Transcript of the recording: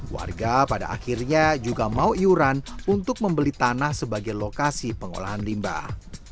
warga pada akhirnya juga mau iuran untuk membeli tanah sebagai lokasi pengolahan limbah